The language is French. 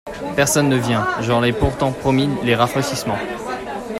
Personne ne vient ! je leur ai pourtant promis les rafraîchissements.